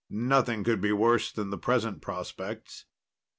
Nothing could be worse than the present prospects.